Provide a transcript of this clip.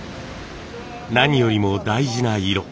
何よりも大事な色。